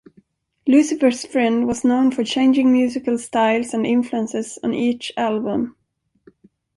Lucifer's Friend was known for changing musical styles and influences on each album.